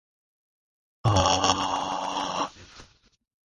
Although confined to the house, he was allowed visitors.